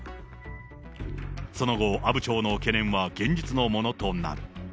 その後、阿武町の懸念は現実のものとなる。